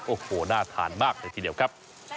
โอ้โหน่าทานมากเลยทีเดียวครับ